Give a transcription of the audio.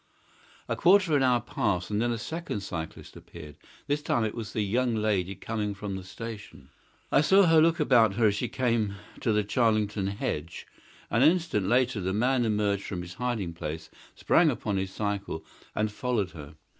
A quarter of an hour passed and then a second cyclist appeared. This time it was the young lady coming from the station. I saw her look about her as she came to the Charlington hedge. An instant later the man emerged from his hiding place, sprang upon his cycle, and followed her.